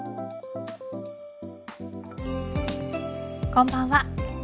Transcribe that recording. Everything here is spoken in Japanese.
こんばんは。